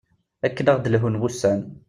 akken ad aɣ-d-lhun wussan